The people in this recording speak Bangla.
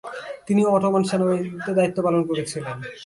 তিনি অটোমান সেনাবাহিনীতে দায়িত্ব পালন করেছিলেন।